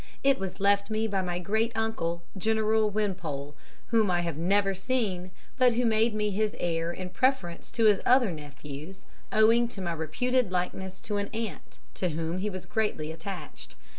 It was left me by my great uncle, General Wimpole, whom I had never seen, but who had made me his heir in preference to his other nephews, owing to my reputed likeness to an aunt, to whom he was greatly attached.